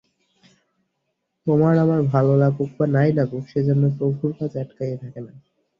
তোমার আমার ভাল লাগুক বা নাই লাগুক, সে-জন্য প্রভুর কাজ আটকাইয়া থাকে না।